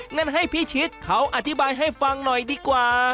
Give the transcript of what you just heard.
งั้นให้พี่ชิดเขาอธิบายให้ฟังหน่อยดีกว่า